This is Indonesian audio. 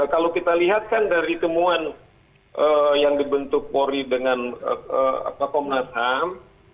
kalau kita lihat kan dari temuan yang dibentuk polri dengan komnas ham